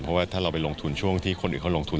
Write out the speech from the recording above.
เพราะว่าถ้าเราไปลงทุนช่วงที่คนอื่นเขาลงทุน